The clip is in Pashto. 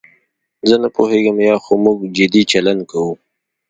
زه نه پوهېږم یا خو موږ جدي چلند کوو.